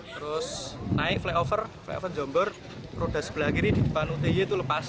terus naik flyover flyover jomber roda sebelah kiri di depan uty itu lepas